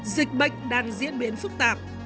dịch bệnh đang diễn biến phức tạp